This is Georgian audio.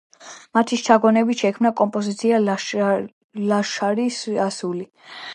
მათი შთაგონებით შეიქმნა კომპოზიცია „ლაშარის ასული“.